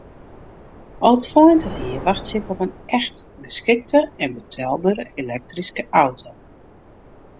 Al tweintich jier wachtsje ik op in echt geskikte en betelbere elektryske auto.